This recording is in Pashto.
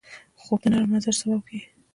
خوب د نرم مزاج سبب کېږي